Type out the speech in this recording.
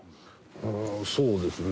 うんそうですね。